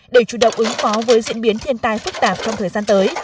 để chủ động ứng phó với diễn biến thiên tai phức tạp trong thời gian tới